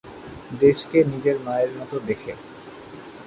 দেশকে নিজের মায়ের মত দেখে।